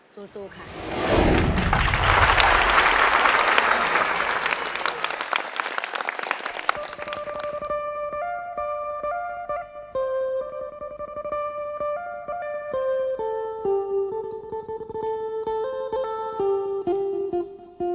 สู้ค่ะ